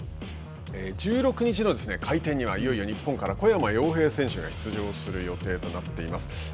１６日の回転にはいよいよ日本から小山陽平選手が出場する予定となっています。